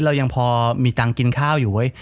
เรายังพอมีตังค์กินข้าวอยู่เว้ย